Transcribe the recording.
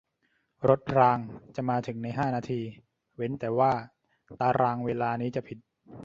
รถรางจะมาถึงในห้านาทีเว้นแต่ว่าตารางเวลานี้จะผิด